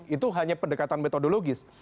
itu hanya pendekatan metodologis